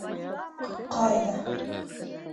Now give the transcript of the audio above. - Ҡ-ҡайҙа...